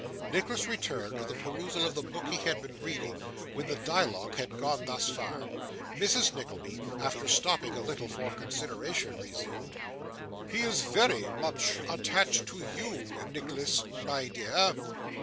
Nicholas returned to the perusal of the book he had been reading, when the dialogue had gone thus far. Mrs. Nickleby, after stopping a little for consideration, resumed. 'He is very much attached to you, Nicholas, my dear.